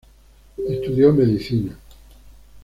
Estudió Medicina.